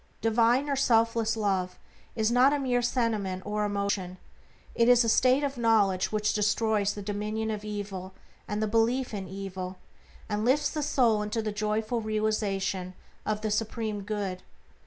Divine or selfless Love is not a mere sentiment or emotion; it is a state of knowledge which destroys the dominion of evil and the belief in evil, and lifts the soul into the joyful realization of the supreme Good.